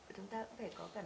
chúng ta cũng phải có